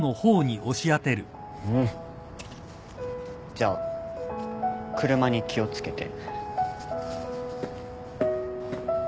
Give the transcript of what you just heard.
じゃあ車に気を付けて。